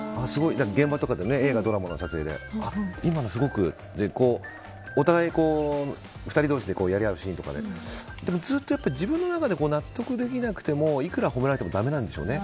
現場とかで映画、ドラマの撮影でお互い２人同士でやり合うシーンとかで自分の中で納得できなくていくら褒められてもだめなんでしょうね。